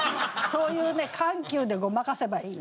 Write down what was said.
そういう緩急でごまかせばいい。